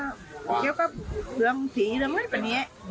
ตอนนี้ก็เพิ่มสี่เรื่องไม่ได้เป็นเนี้ย